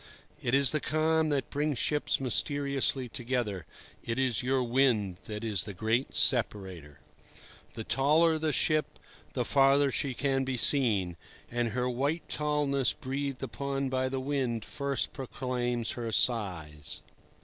It is the calm that brings ships mysteriously together; it is your wind that is the great separator. The taller the ship, the further she can be seen; and her white tallness breathed upon by the wind first proclaims her size.